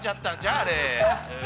あれ。